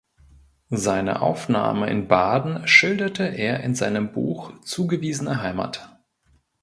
Seine Aufnahme in Baden schilderte er in seinem Buch „Zugewiesene Heimat“.